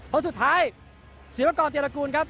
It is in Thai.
ส่วนสุดท้ายศิลปกรณ์เจรกูลครับ